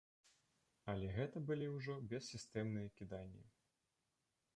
Але гэта былі ўжо бессістэмныя кіданні.